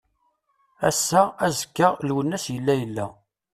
Ass-a, azekka Lwennas yella yella.